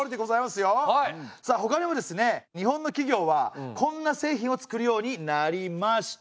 さあほかにもですね日本の企業はこんな製品を作るようになりました。